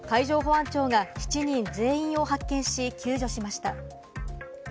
その後、海上保安庁が７人全員を発見し、救助しました。